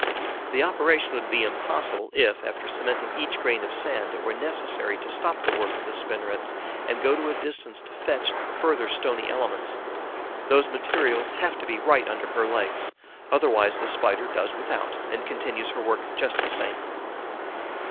The operation would be impossible if, after cementing each grain of sand, it were necessary to stop the work of the spinnerets and go to a distance to fetch further stony elements. Those materials have to be right under her legs; otherwise the Spider does without and continues her work just the same.